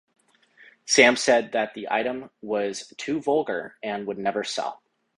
Sam said that the item was "too vulgar" and would never sell.